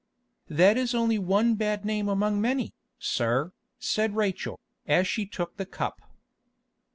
"That is only one bad name among many, sir," said Rachel, as she took the cup.